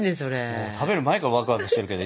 もう食べる前からワクワクしてるけど。